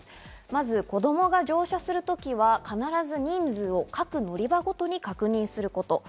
まず子供が乗車するときは必ず人数を各乗り場ごとに確認すること。